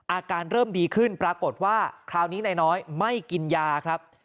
อาการเริ่มดีขึ้นปรากฏว่าคราวนี้นายน้อยไม่กินยาครับ